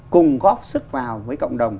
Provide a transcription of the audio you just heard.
cùng góp sức vào với cộng đồng